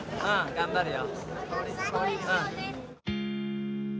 頑張るよ。